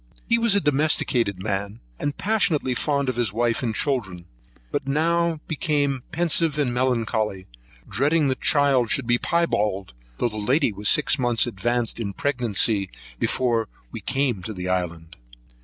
He was a domesticated man, and passionately fond of his wife and children; but now became pensive and melancholy, dreading the child should be Piebald; though the lady was six months advanced in her pregnancy before we came to the island.